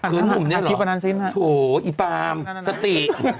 ขึ้นหุ่มเนี่ยเหรอโถอีปาล์มสติ